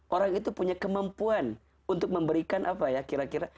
orang itu punya kemampuan untuk memberikan apa ya kira kira